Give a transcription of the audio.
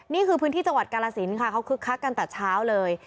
นี่คือพื้นที่จังหวัดกาลสินค่ะเขาคึกคักกันแต่เช้าเลย